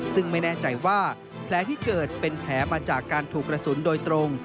ซึ่งไม่แน่ใจว่าแผลที่เกิดเป็นแผลมาจากการถูกกระสุนโดยตรง